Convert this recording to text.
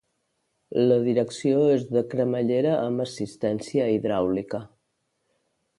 La direcció és de cremallera amb assistència hidràulica.